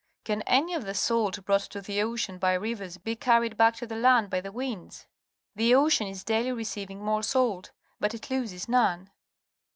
Can any of the salt brought to the ocean by rivers be carried back to the land by the winds? The ocean is daily receiving more salt, but it loses none.